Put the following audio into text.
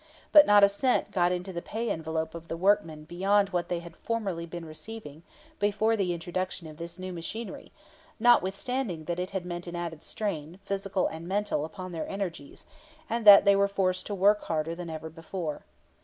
But not a cent got into the pay envelope of the workmen beyond what they had formerly been receiving before the introduction of this new machinery, notwithstanding that it had meant an added strain, physical and mental, upon their energies, and that they were forced to work harder than ever before.